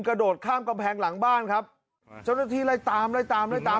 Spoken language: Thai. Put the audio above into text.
กระโดดข้ามกำแพงหลังบ้านครับเจ้าหน้าที่ไล่ตามไล่ตามไล่ตาม